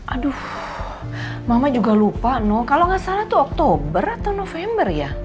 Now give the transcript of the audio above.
aduh mama juga lupa loh kalau nggak salah itu oktober atau november ya